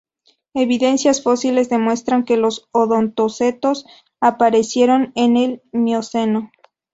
Evidencias fósiles demuestran que los odontocetos aparecieron en el Mioceno.